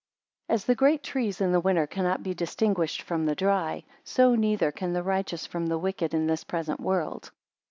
As the great trees in the winter cannot be distinguished from the dry; so neither can the righteous from the wicked in this present world.